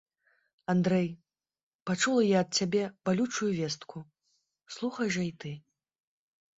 Андрэй, пачула я ад цябе балючую вестку, слухай жа і ты.